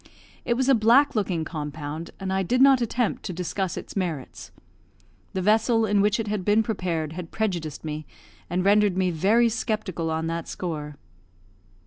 It was a black looking compound, and I did not attempt to discuss its merits. The vessel in which it had been prepared had prejudiced me, and rendered me very sceptical on that score.